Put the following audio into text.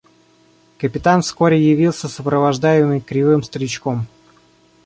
– Капитан вскоре явился, сопровождаемый кривым старичком.